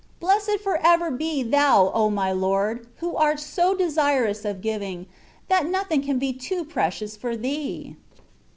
Blessed for ever be Thou, O my Lord ! who art so desirous of giving, that nothing can be too precious for Thee.